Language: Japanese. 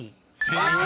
［正解。